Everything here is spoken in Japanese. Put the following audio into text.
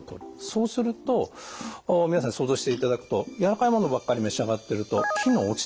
そうすると皆さんに想像していただくとやわらかいものばっかり召し上がってると機能が落ちていきますよね。